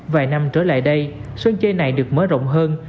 vài năm trở lại đây sân chơi này được mở rộng hơn